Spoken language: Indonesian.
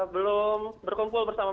belum berkumpul bersama